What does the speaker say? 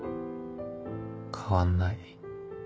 変わんない